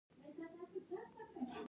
ایران اوس هم په علم ټینګار کوي.